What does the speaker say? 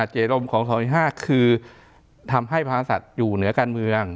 เจรมของ๒๕คือทำให้พระศัตริย์อยู่เหนือการเมือง